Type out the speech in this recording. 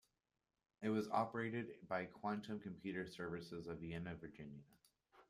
It was operated by Quantum Computer Services of Vienna, Virginia.